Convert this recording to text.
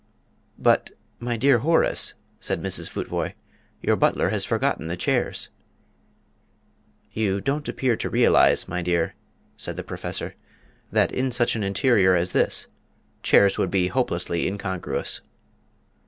"But, my dear Horace," said Mrs. Futvoye, "your butler has forgotten the chairs." "You don't appear to realise, my dear," said the Professor, "that in such an interior as this chairs would be hopelessly incongruous."